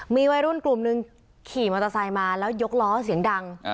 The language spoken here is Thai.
มีวัยรุ่นกลุ่มหนึ่งขี่มอเตอร์ไซค์มาแล้วยกล้อเสียงดัง